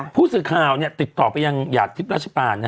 ผู้สื่อข่าวติดต่อไปยังหยาดทิพย์ราชปาน